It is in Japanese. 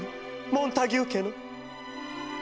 モンタギュー家の」。